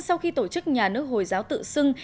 sau khi tổ chức nhà nước hồi giáo tự xưng